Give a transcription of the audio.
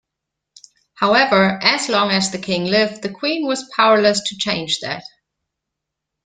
However, as long as the king lived, the Queen was powerless to change that.